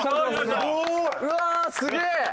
うわーすげえ！